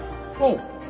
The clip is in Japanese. うん。